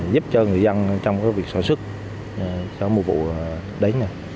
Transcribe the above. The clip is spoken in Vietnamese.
giúp cho người dân trong việc sản xuất sau mùa vụ đấy